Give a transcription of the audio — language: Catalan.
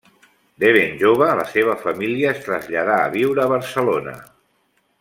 De ben jove, la seva família es traslladà a viure a Barcelona.